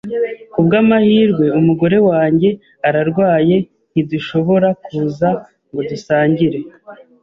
Kubwamahirwe, umugore wanjye ararwaye, ntidushobora kuza ngo dusangire.